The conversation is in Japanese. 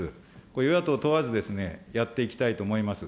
これ、与野党問わずやっていきたいと思います。